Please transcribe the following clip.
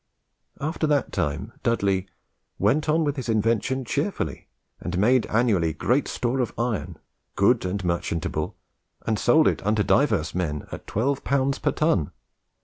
After that time Dudley "went on with his invention cheerfully, and made annually great store of iron, good and merchantable, and sold it unto diverse men at twelve pounds per ton."